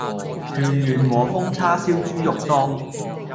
圑圓和風叉燒豬肉丼